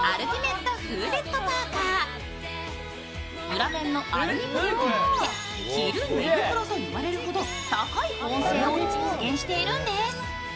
裏面のアルミプリントによって着る寝袋と言われるほど高い保温性を実現しているんです。